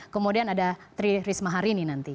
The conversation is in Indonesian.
kemudian ada tri risma harini nanti